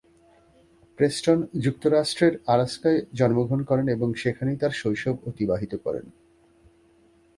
Preston যুক্তরাষ্ট্রের আলাস্কায় জন্মগ্রহণ করেন এবং সেখানেই তার শৈশব অতিবাহিত করেন।